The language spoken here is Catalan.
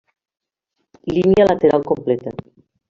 Línia lateral completa.